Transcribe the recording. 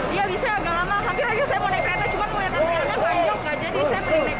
iya bisa agak lama nanti raja saya mau naik kereta cuma kereta sekarangnya panjang gak jadi saya berinik